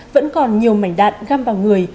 vẫn còn nhiều mảnh đạn găm vào người